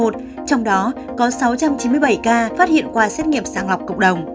trong đó có sáu trăm chín mươi bảy ca phát hiện qua xét nghiệm sàng lọc cộng đồng